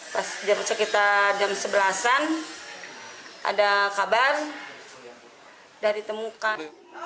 pas jam sekitar jam sebelasan ada kabar dari temukan